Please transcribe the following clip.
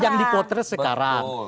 yang dipotret sekarang